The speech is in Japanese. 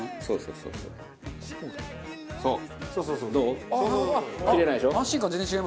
そうそうそうそう！